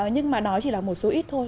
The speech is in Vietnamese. nhưng mà đó chỉ là một số ít thôi